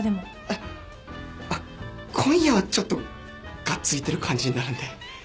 あっ今夜はちょっとがっついてる感じになるんで。